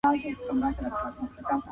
انګریزان په هندوستان کي کمپاني لري.